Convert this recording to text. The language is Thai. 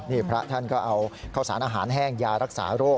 นี่พระท่านก็เอาข้าวสารอาหารแห้งยารักษาโรค